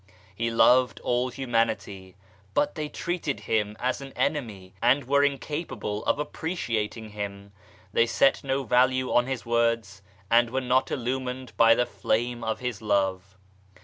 He loved all Humanity, but they treated Him as an enemy and were incapable of appreciating Him. They set no value on His words and were not illumined by the Flame of His Love.